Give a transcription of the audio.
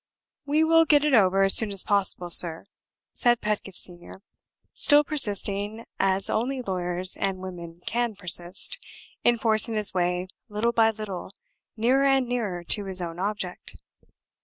"We will get it over as soon as possible, sir," said Pedgift Senior, still persisting, as only lawyers and women can persist, in forcing his way little by little nearer and nearer to his own object.